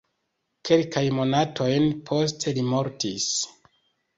Kelkajn monatojn poste li mortis.